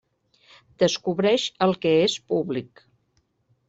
Descobreix el que és públic.